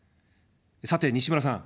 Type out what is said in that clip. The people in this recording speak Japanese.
さて、西村さん。